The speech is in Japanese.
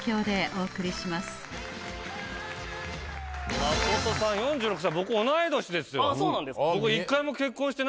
マコトさん４６歳僕同い年ですよ。